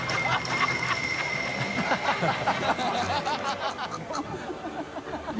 ハハハ